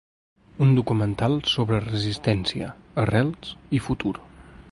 Un documental sobre resistència, arrels i futur.